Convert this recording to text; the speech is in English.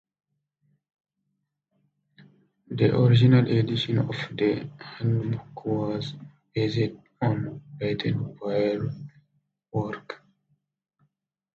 The original edition of the handbook was based on Baden-Powell's work.